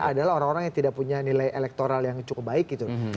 adalah orang orang yang tidak punya nilai elektoral yang cukup baik gitu